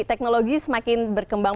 teknologi semakin berkembang